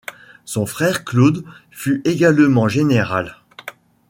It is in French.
Son frère Claude fut également général.